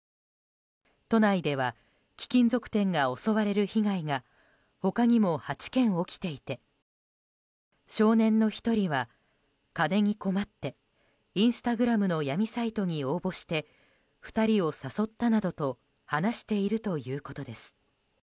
都内では貴金属店が襲われる被害が他にも８件、起きていて少年の１人は金に困ってインスタグラムの闇サイトに応募して２人を誘ったなどと話しているということです。